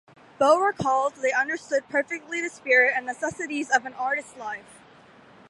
Beaux recalled, They understood perfectly the spirit and necessities of an artist's life.